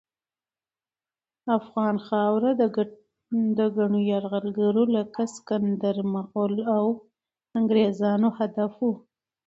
افغان خاوره د ګڼو یرغلګرو لکه سکندر، مغل، او انګریزانو هدف وه.